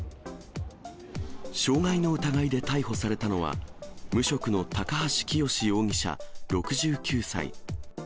傷害の疑いで逮捕されたのは、無職の高橋清容疑者６９歳。